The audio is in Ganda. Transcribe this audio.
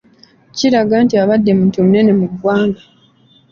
Kiraga nti abadde muntu munene mu ggwanga.